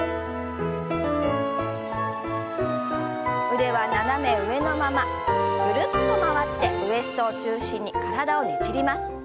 腕は斜め上のままぐるっと回ってウエストを中心に体をねじります。